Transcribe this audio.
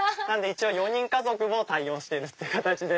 一応４人家族も対応してる形で。